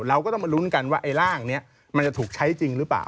เราก็ต้องมาลุ้นกันว่าไอ้ร่างนี้มันจะถูกใช้จริงหรือเปล่า